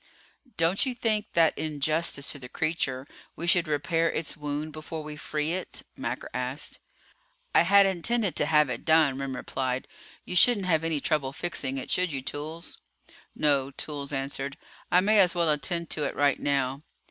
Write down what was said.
"Don't you think that in justice to the creature we should repair its wound before we free it?" Macker asked. "I had intended to have it done," Remm replied. "You shouldn't have any trouble fixing it, should you, Toolls?" "No," Toolls answered. "I may as well attend to it right now."